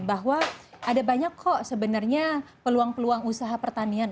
bahwa ada banyak kok sebenarnya peluang peluang usaha pertanian